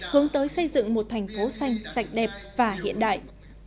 hướng tới xây dựng một thành phố xanh sạch đẹp và hiện đại